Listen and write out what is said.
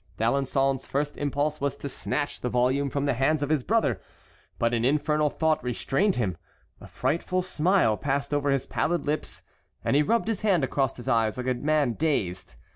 D'Alençon's first impulse was to snatch the volume from the hands of his brother; but an infernal thought restrained him; a frightful smile passed over his pallid lips, and he rubbed his hand across his eyes like a man dazed.